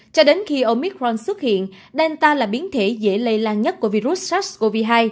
cho đến khi omicron xuất hiện delta là biến thể dễ lây lan nhất của virus sars cov hai